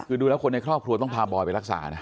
คือดูแล้วคนในครอบครัวต้องพาบอยไปรักษานะ